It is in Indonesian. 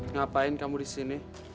ngapain kamu disini